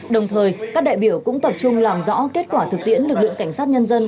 đồng thời các đại biểu cũng tập trung làm rõ kết quả thực tiễn lực lượng cảnh sát nhân dân